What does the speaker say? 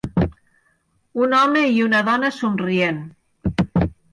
Un home i una dona somrient.